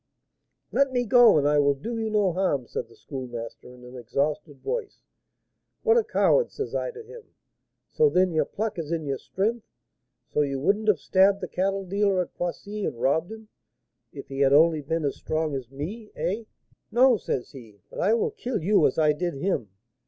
'Let me go, and I will do you no harm,' said the Schoolmaster, in an exhausted voice. 'What! a coward?' says I to him. 'So, then, your pluck is in your strength? So you wouldn't have stabbed the cattle dealer at Poissy, and robbed him, if he had only been as strong as me, eh?' 'No,' says he; 'but I will kill you as I did him.'